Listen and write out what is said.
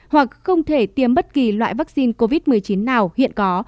hoặc không thể tiêm bất kỳ loại vaccine covid một mươi chín nào hiện có